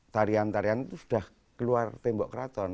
tarian tarian itu sudah keluar tembok keraton